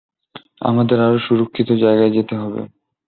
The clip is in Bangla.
আমাদের আরো সুরক্ষিত জায়গায় যেতে হবে।